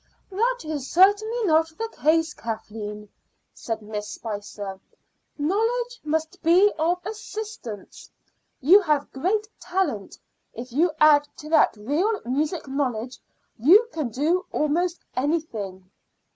"That is certainly not the case, Kathleen," said Miss Spicer. "Knowledge must be of assistance. You have great talent; if you add to that real musical knowledge you can do almost anything."